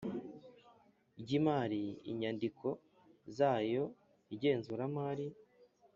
Ry imari inyandiko zayo igenzuramari